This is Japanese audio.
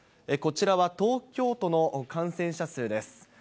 こちらは東京都の感染者数です。